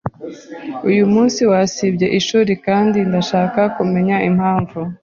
Uyu munsi wasibye ishuri kandi ndashaka kumenya impamvu.